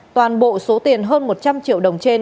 toàn bộ số tiền hơn một trăm linh triệu đồng trên